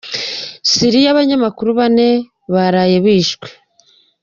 Siliya Abanyamakuru Bane baraye bishwe